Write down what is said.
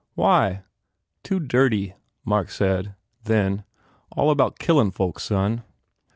"Why?" "Too dirty," Mark said, then, "All about killin folks, son."